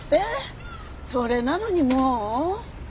それなのにもう？